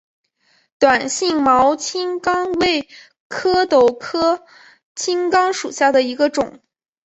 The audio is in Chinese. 短星毛青冈为壳斗科青冈属下的一个种。